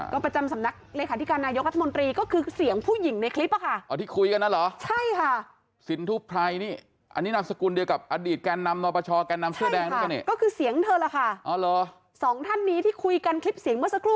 ก็ประจำสำนักรัฐรายการที่การนายองรัฐมนตรี